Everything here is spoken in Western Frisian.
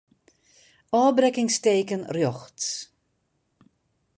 Ofbrekkingsteken rjochts.